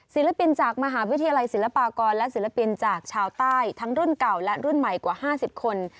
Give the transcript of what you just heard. ศิลปินจากมหาวิทยาลัยศิลปากรและศิลปินจากชาวใต้ทั้งรุ่นเก่าและรุ่นใหม่กว่า๕๐คน